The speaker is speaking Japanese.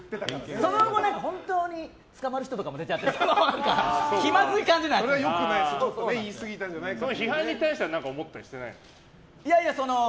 その後本当に捕まる人とかも出ちゃって批判に対しては何か思ったりしてないの？